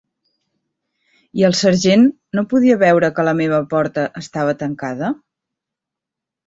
I el sergent no podia veure que la meva porta estava tancada?